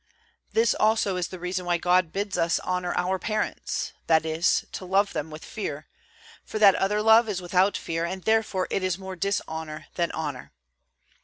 This also is the reason why God bids us honor our parents, that is, to love them with fear; for that other love is without fear, therefore it is more dishonor than honor.